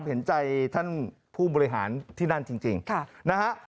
เห็นใจท่านผู้บริหารที่นั่นจริงนะฮะ